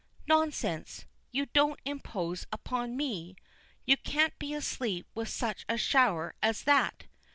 Nonsense; you don't impose upon me. You can't be asleep with such a shower as that!